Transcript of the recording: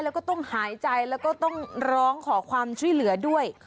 แล้วก็ต้องหายใจแล้วก็ต้องร้องขอความช่วยเหลือด้วย